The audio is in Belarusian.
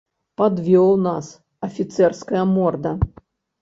Падвёў нас, афіцэрская морда!